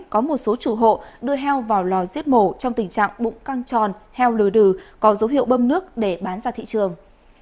có một số chủ hộ đưa heo vào lò giết mổ trong tình trạng bụng căng tròn heo lư đừ có dấu hiệu bơm nước để bán ra thị trường